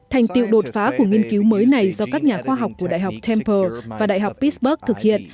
thành tựu đột phá của nghiên cứu mới này do các nhà khoa học của đại học temple và đại học pittsburgh thực hiện